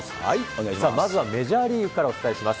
まずはメジャーリーグからお伝えします。